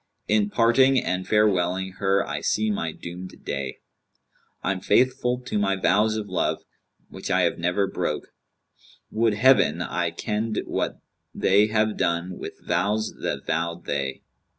* In parting and farewelling her I see my doomed day I'm faithful to my vows of love which I have never broke, * Would Heaven I kenned what they have done with vows that vowed they!'